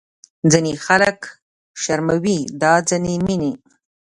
ځینې خلک شرموي دا ځینې مینې